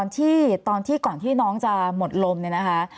ที่ตอนที่ก่อนที่น้องจะหมดลมเนี่ยนะคะ